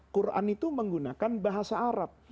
quran itu menggunakan bahasa arab